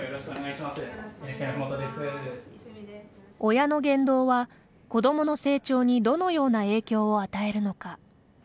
親の言動は、子どもの成長にどのような影響を与えるのか。